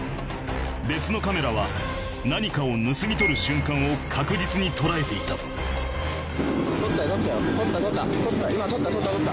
別のカメラは何かを盗み取る瞬間を確実に捉えていた盗った盗った。